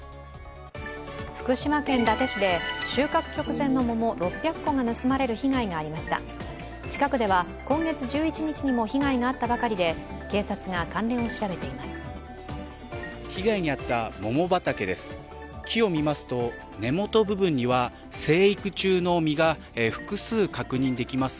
福島県伊達市で収穫直前の桃６００個が盗まれる被害がありました近くでは今月１１日にも被害があったばかりで警察が関連を調べています。